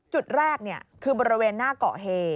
จุดแรกคือบริเวณหน้าเกาะเฮ